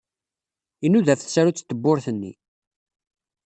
Inuda ɣef tsarut n tewwurt-nni.